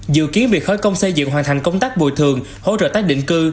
dự kiến biệt khói công xây dựng hoàn thành công tác bùi thường hỗ trợ tác định cư